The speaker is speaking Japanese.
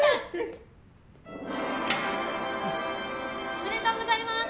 おめでとうございます！